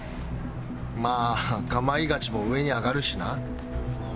まあ『かまいガチ』も上に上がるしな。